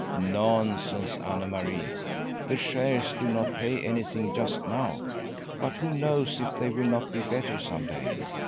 "Nonsense, Anne Marie. The shares do not pay anything just now. But who knows if they will not be better some day?